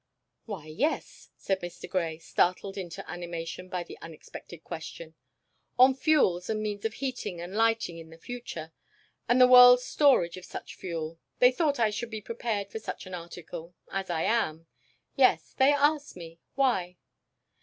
"Why, yes," said Mr. Grey, startled into animation by the unexpected question. "On fuels and means of heating and lighting in the future, and the world's storage of such fuel; they thought I should be prepared for such an article as I am. Yes, they asked me why?"